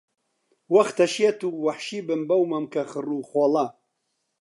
وەختە شێت و وەحشی بم بەو مەمکە خڕ و خۆڵە